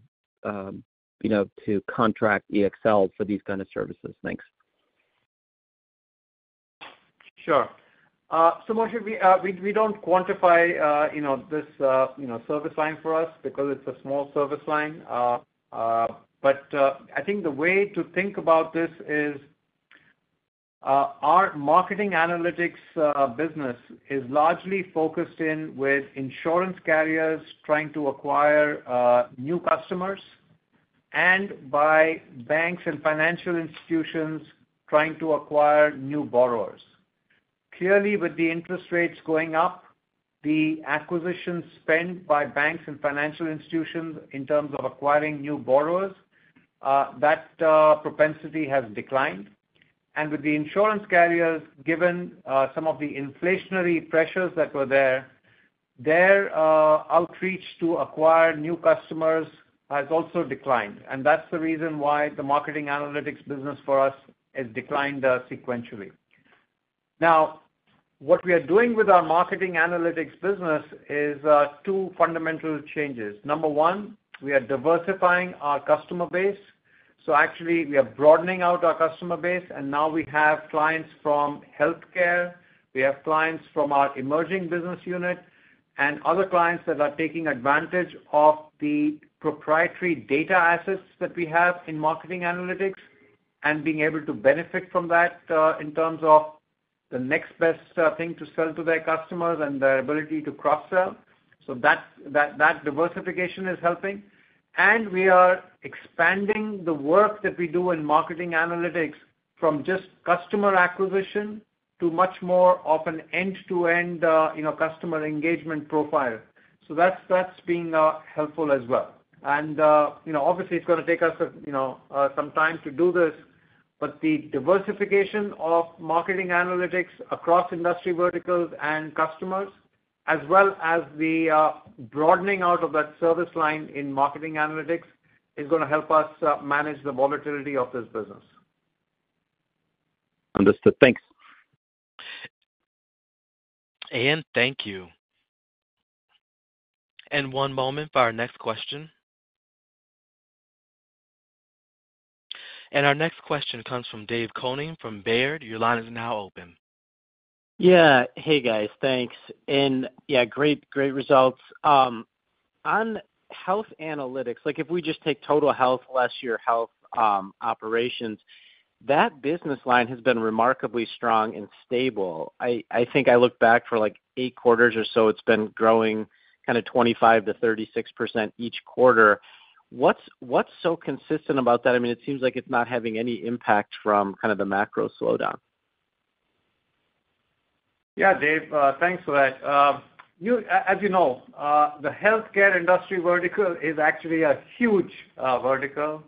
S10: you know, to contract EXL for these kind of services? Thanks.
S2: Sure. So Moshe, we don't quantify, you know, this, you know, service line for us because it's a small service line. But, I think the way to think about this is, our marketing analytics business is largely focused in with insurance carriers trying to acquire new customers and by banks and financial institutions trying to acquire new borrowers. Clearly, with the interest rates going up, the acquisition spend by banks and financial institutions in terms of acquiring new borrowers, that propensity has declined. And with the insurance carriers, given some of the inflationary pressures that were there, their outreach to acquire new customers has also declined, and that's the reason why the marketing analytics business for us has declined sequentially. Now, what we are doing with our marketing analytics business is two fundamental changes. Number one, we are diversifying our customer base. So actually we are broadening out our customer base, and now we have clients from healthcare, we have clients from our emerging business unit, and other clients that are taking advantage of the proprietary data assets that we have in marketing analytics and being able to benefit from that in terms of the next best thing to sell to their customers and their ability to cross-sell. So that diversification is helping. And we are expanding the work that we do in marketing analytics from just customer acquisition to much more of an end-to-end, you know, customer engagement profile. So that's being helpful as well. You know, obviously, it's gonna take us, you know, some time to do this, but the diversification of marketing analytics across industry verticals and customers, as well as the broadening out of that service line in marketing analytics, is gonna help us manage the volatility of this business.
S10: Understood. Thanks.
S4: And, thank you. One moment for our next question. Our next question comes from Dave Koning from Baird. Your line is now open.
S11: Yeah. Hey, guys, thanks. Yeah, great, great results. On health analytics, like if we just take total health, less your health operations, that business line has been remarkably strong and stable. I think I look back for like 8 quarters or so, it's been growing kind of 25%-36% each quarter. What's so consistent about that? I mean, it seems like it's not having any impact from kind of the macro slowdown.
S2: Yeah, Dave, thanks for that. As you know, the healthcare industry vertical is actually a huge, vertical.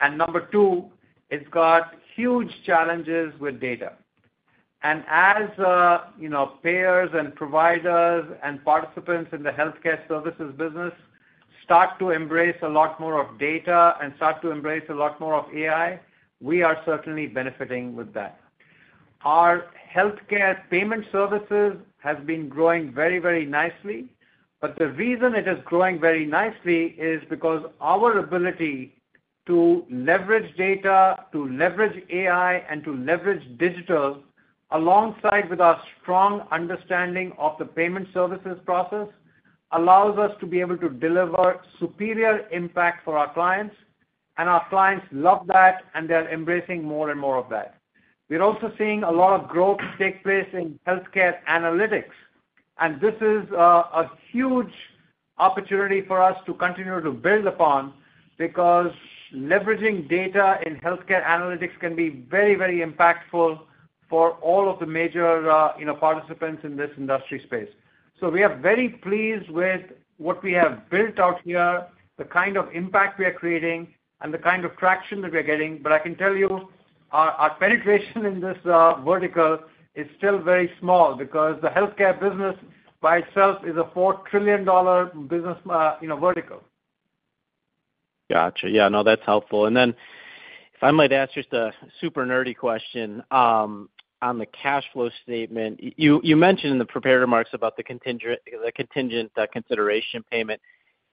S2: And number two, it's got huge challenges with data. And as you know, payers and providers and participants in the healthcare services business start to embrace a lot more of data and start to embrace a lot more of AI, we are certainly benefiting with that. Our healthcare payment services have been growing very, very nicely, but the reason it is growing very nicely is because our ability to leverage data, to leverage AI, and to leverage digital, alongside with our strong understanding of the payment services process, allows us to be able to deliver superior impact for our clients, and our clients love that, and they're embracing more and more of that. We're also seeing a lot of growth take place in healthcare analytics, and this is a huge opportunity for us to continue to build upon, because leveraging data in healthcare analytics can be very, very impactful for all of the major, you know, participants in this industry space. So we are very pleased with what we have built out here, the kind of impact we are creating, and the kind of traction that we're getting. But I can tell you, our penetration in this vertical is still very small because the healthcare business by itself is a $4 trillion business, you know, vertical.
S11: Gotcha. Yeah, no, that's helpful. Then if I might ask just a super nerdy question on the cash flow statement. You mentioned in the prepared remarks about the contingent consideration payment.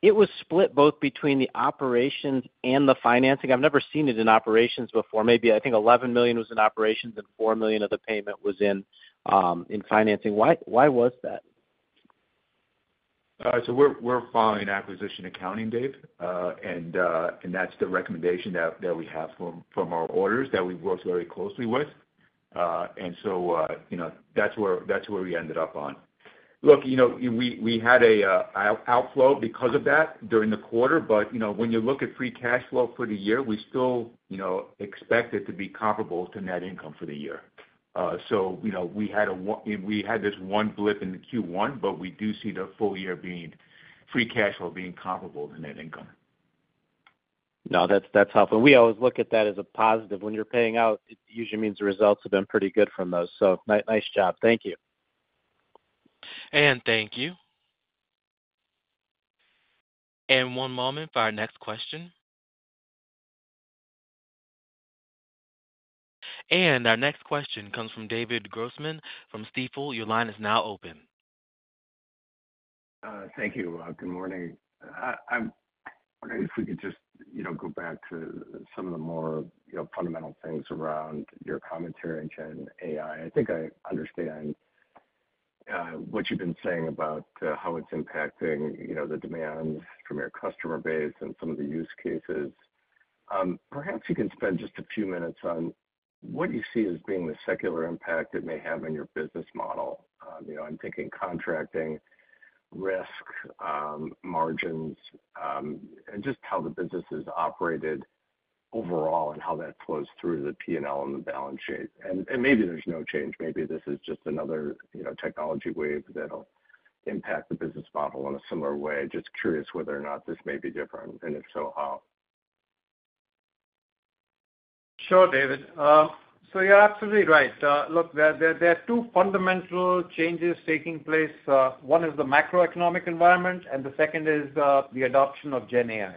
S11: It was split both between the operations and the financing. I've never seen it in operations before. Maybe I think $11 million was in operations and $4 million of the payment was in financing. Why was that?
S3: So we're following acquisition accounting, Dave. That's the recommendation that we have from our auditors that we've worked very closely with. You know, that's where we ended up on. Look, you know, we had an outflow because of that during the quarter, but you know, when you look at free cash flow for the year, we still you know, expect it to be comparable to net income for the year. You know, we had this one blip in the Q1, but we do see the full year free cash flow being comparable to net income.
S11: No, that's, that's helpful. We always look at that as a positive. When you're paying out, it usually means the results have been pretty good from those. So nice job. Thank you.
S4: And, thank you. One moment for our next question. Our next question comes from David Grossman from Stifel. Your line is now open.
S12: Thank you. Good morning. I'm wondering if we could just, you know, go back to some of the more, you know, fundamental things around your commentary on GenAI. I think I understand what you've been saying about how it's impacting, you know, the demands from your customer base and some of the use cases. Perhaps you can spend just a few minutes on what you see as being the secular impact it may have on your business model. You know, I'm thinking contracting, risk, margins, and just how the business is operated overall and how that flows through the P&L and the balance sheet? And maybe there's no change. Maybe this is just another, you know, technology wave that'll impact the business model in a similar way. Just curious whether or not this may be different, and if so, how?
S2: Sure, David. So you're absolutely right. Look, there are two fundamental changes taking place. One is the macroeconomic environment, and the second is the adoption of GenAI.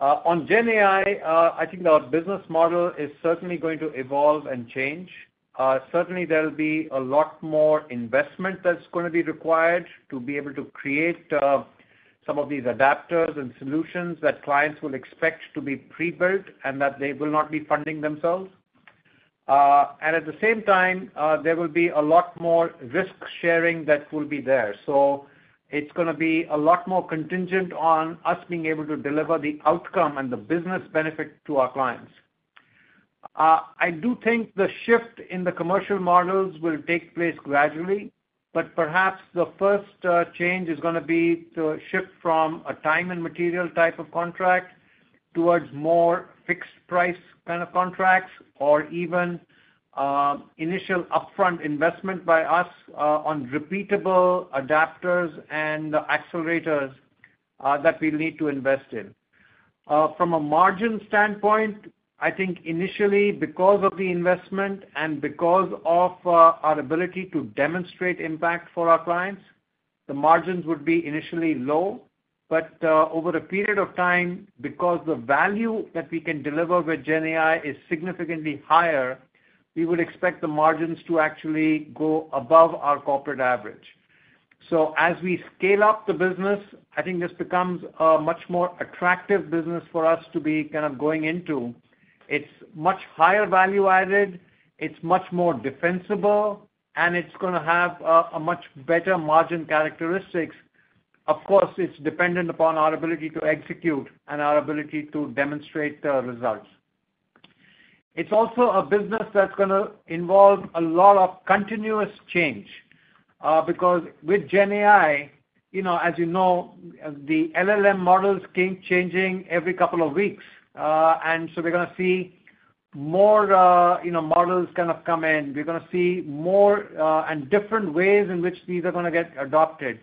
S2: On GenAI, I think our business model is certainly going to evolve and change. Certainly, there'll be a lot more investment that's gonna be required to be able to create some of these adapters and solutions that clients will expect to be prebuilt and that they will not be funding themselves. And at the same time, there will be a lot more risk-sharing that will be there. So it's gonna be a lot more contingent on us being able to deliver the outcome and the business benefit to our clients. I do think the shift in the commercial models will take place gradually, but perhaps the first change is gonna be to shift from a time and material type of contract towards more fixed price kind of contracts, or even initial upfront investment by us on repeatable adapters and accelerators that we'll need to invest in. From a margin standpoint, I think initially, because of the investment and because of our ability to demonstrate impact for our clients, the margins would be initially low. But over a period of time, because the value that we can deliver with GenAI is significantly higher, we would expect the margins to actually go above our corporate average. So as we scale up the business, I think this becomes a much more attractive business for us to be kind of going into. It's much higher value added, it's much more defensible, and it's gonna have a much better margin characteristics. Of course, it's dependent upon our ability to execute and our ability to demonstrate the results. It's also a business that's gonna involve a lot of continuous change, because with GenAI, you know, as you know, the LLM models keep changing every couple of weeks. And so we're gonna see more, you know, models kind of come in. We're gonna see more and different ways in which these are gonna get adopted.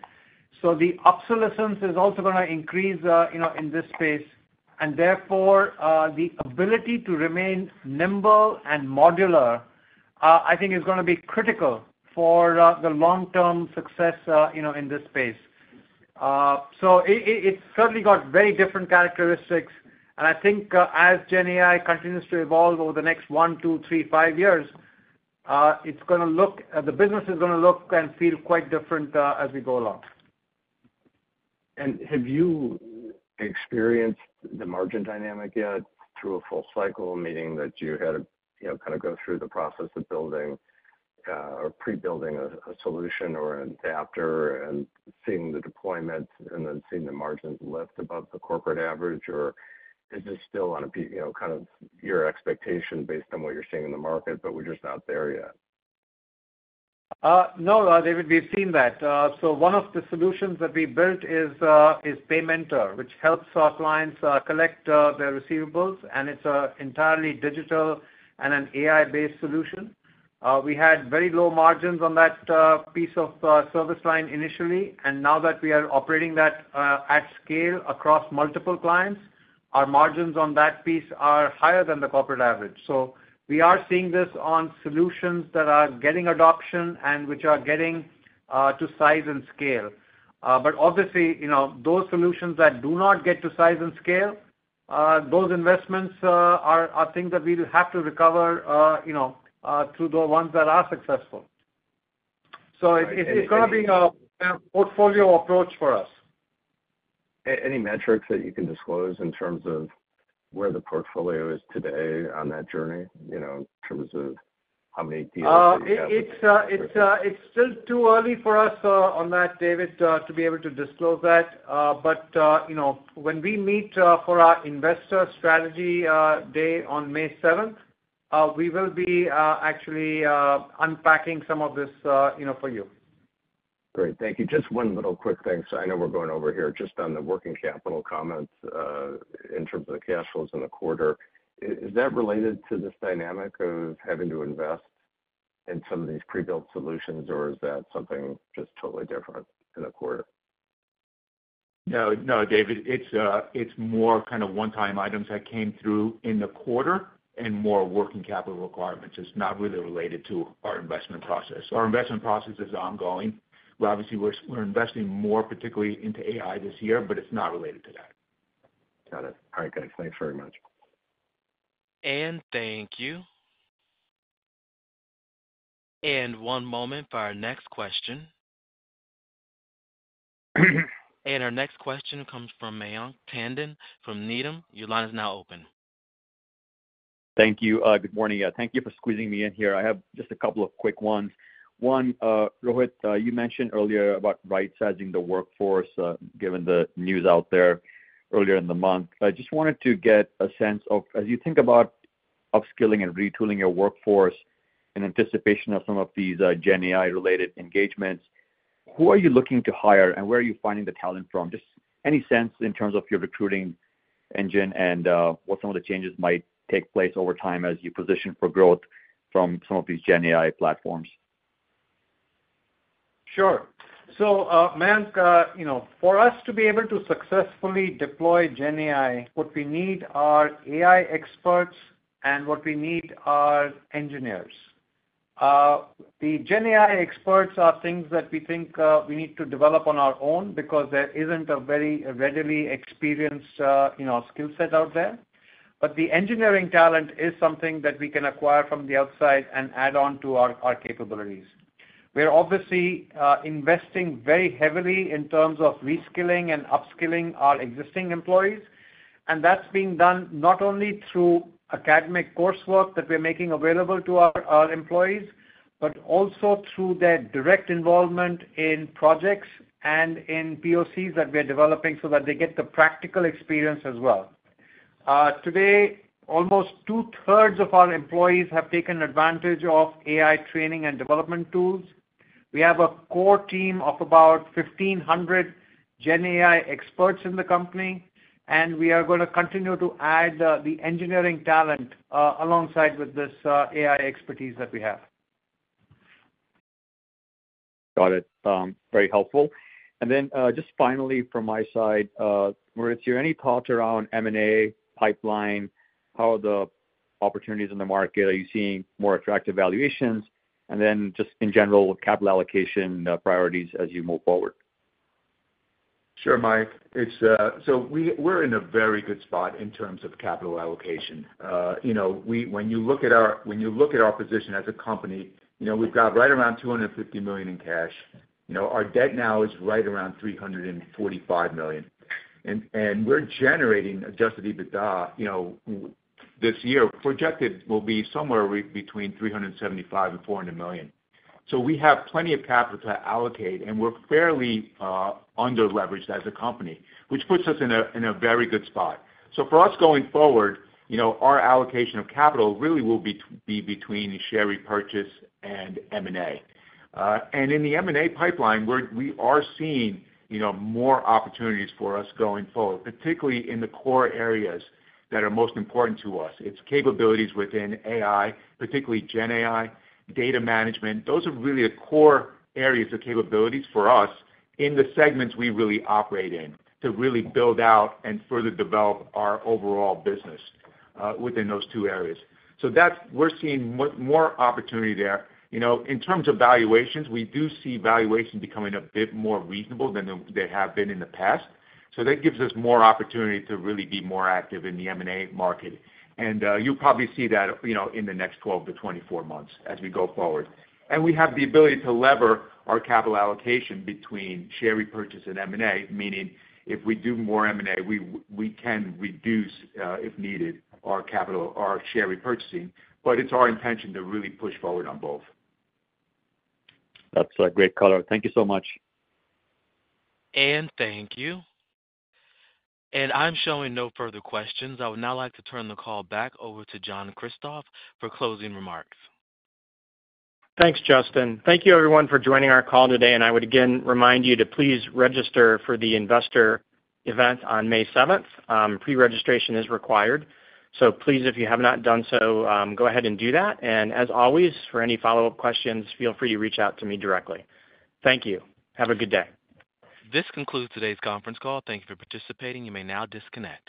S2: So the obsolescence is also gonna increase, you know, in this space, and therefore, the ability to remain nimble and modular, I think is gonna be critical for the long-term success, you know, in this space. So it's certainly got very different characteristics, and I think, as GenAI continues to evolve over the next one, two, three, five years, the business is gonna look and feel quite different, as we go along.
S12: Have you experienced the margin dynamic yet through a full cycle, meaning that you had to, you know, kind of go through the process of building or pre-building a solution or an adapter and seeing the deployment and then seeing the margins lift above the corporate average? Or is this still on a, you know, kind of your expectation based on what you're seeing in the market, but we're just not there yet?
S2: No, David, we've seen that. So one of the solutions that we built is PayMentor, which helps our clients collect their receivables, and it's entirely digital and an AI-based solution. We had very low margins on that piece of service line initially, and now that we are operating that at scale across multiple clients, our margins on that piece are higher than the corporate average. So we are seeing this on solutions that are getting adoption and which are getting to size and scale. But obviously, you know, those solutions that do not get to size and scale, those investments are things that we will have to recover, you know, through the ones that are successful. So it-
S12: Right, any-...
S2: it's gonna be a portfolio approach for us.
S12: Any metrics that you can disclose in terms of where the portfolio is today on that journey, you know, in terms of how many deals that you have?
S2: It's still too early for us on that, David, to be able to disclose that. But you know, when we meet for our investor strategy day on May seventh, we will be actually unpacking some of this, you know, for you.
S12: Great. Thank you. Just one little quick thing, so I know we're going over here. Just on the working capital comments, in terms of the cash flows in the quarter, is that related to this dynamic of having to invest in some of these prebuilt solutions, or is that something just totally different in the quarter?
S3: No, no, David, it's more kind of one-time items that came through in the quarter and more working capital requirements. It's not really related to our investment process. Our investment process is ongoing. We obviously, we're investing more particularly into AI this year, but it's not related to that.
S12: Got it. All right, guys. Thanks very much.
S4: Thank you. One moment for our next question. Our next question comes from Mayank Tandon from Needham. Your line is now open.
S13: Thank you. Good morning. Thank you for squeezing me in here. I have just a couple of quick ones. One, Rohit, you mentioned earlier about right-sizing the workforce, given the news out there earlier in the month. I just wanted to get a sense of, as you think about upskilling and retooling your workforce in anticipation of some of these, GenAI-related engagements. Who are you looking to hire, and where are you finding the talent from? Just any sense in terms of your recruiting engine and, what some of the changes might take place over time as you position for growth from some of these GenAI platforms?
S2: Sure. So, Mayank, you know, for us to be able to successfully deploy GenAI, what we need are AI experts and what we need are engineers. The GenAI experts are things that we think we need to develop on our own because there isn't a very readily experienced, you know, skill set out there. But the engineering talent is something that we can acquire from the outside and add on to our capabilities. We're obviously investing very heavily in terms of reskilling and upskilling our existing employees, and that's being done not only through academic coursework that we're making available to our employees, but also through their direct involvement in projects and in POCs that we are developing so that they get the practical experience as well. Today, almost two-thirds of our employees have taken advantage of AI training and development tools. We have a core team of about 1,500 GenAI experts in the company, and we are gonna continue to add the engineering talent alongside with this AI expertise that we have.
S13: Got it. Very helpful. And then, just finally, from my side, Maurizio, are any thoughts around M&A pipeline? How are the opportunities in the market? Are you seeing more attractive valuations? And then just in general, capital allocation priorities as you move forward.
S3: Sure, Mayank. It's, So we're in a very good spot in terms of capital allocation. You know, when you look at our position as a company, you know, we've got right around $250 million in cash. You know, our debt now is right around $345 million. And we're generating adjusted EBITDA, you know, this year, projected will be somewhere between $375 million and $400 million. So we have plenty of capital to allocate, and we're fairly under-leveraged as a company, which puts us in a very good spot. So for us, going forward, you know, our allocation of capital really will be between share repurchase and M&A. And in the M&A pipeline, we are seeing, you know, more opportunities for us going forward, particularly in the core areas that are most important to us. It's capabilities within AI, particularly GenAI, data management. Those are really the core areas of capabilities for us in the segments we really operate in, to really build out and further develop our overall business, within those two areas. So that's... We're seeing more opportunity there. You know, in terms of valuations, we do see valuation becoming a bit more reasonable than they have been in the past, so that gives us more opportunity to really be more active in the M&A market. And you'll probably see that, you know, in the next 12-24 months as we go forward. And we have the ability to leverage our capital allocation between share repurchase and M&A, meaning if we do more M&A, we can reduce, if needed, our capital, our share repurchasing. But it's our intention to really push forward on both.
S13: That's great color. Thank you so much.
S4: Thank you. I'm showing no further questions. I would now like to turn the call back over to John Kristoff for closing remarks.
S1: Thanks, Justin. Thank you everyone for joining our call today, and I would again remind you to please register for the investor event on May 7th. Pre-registration is required, so please, if you have not done so, go ahead and do that. And as always, for any follow-up questions, feel free to reach out to me directly. Thank you. Have a good day.
S4: This concludes today's conference call. Thank you for participating. You may now disconnect.